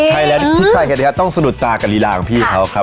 ใช่แล้วที่ใครเห็นได้ครับต้องสนุดตากับฤราณของพี่เขาครับ